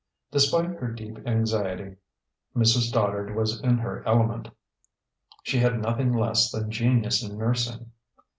Despite her deep anxiety, Mrs. Stoddard was in her element. She had nothing less than genius in nursing.